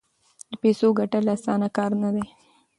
د پیسو ګټل اسانه کار نه دی.